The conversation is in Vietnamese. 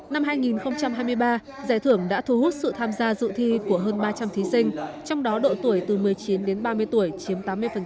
năm hai nghìn hai mươi ba giải thưởng đã thu hút sự tham gia dự thi của hơn ba trăm linh thí sinh trong đó độ tuổi từ một mươi chín đến ba mươi tuổi chiếm tám mươi